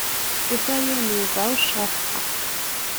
Ufiɣ yiwen n webɛuc ɣef ṭṭaq.